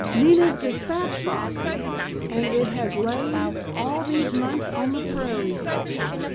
Nina's dispatch box! And it has lain all these months on the prairies!"